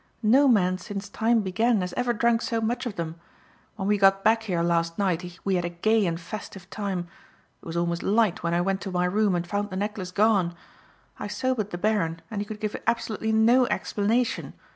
No man since time began has ever drunk so much of them. When we got back here last night we had a gay and festive time. It was almost light when I went to my room and found the necklace gone. I sobered the Baron and he could give absolutely no explanation.